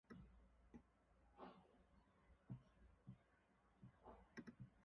Oliveira also said he wanted Ricardo Goulart instead of Baptista to mark players.